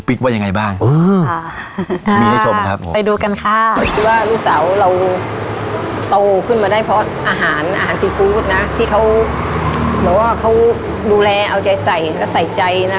ที่เขาแบบว่าเขาดูแลเอาใจใส่และใส่ใจนะ